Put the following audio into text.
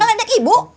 gak ada ibu